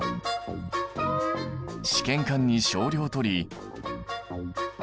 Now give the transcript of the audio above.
試験管に少量とり。